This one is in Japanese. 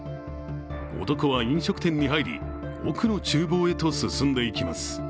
男は飲食店に入り奥のちゅう房へと進んでいきます。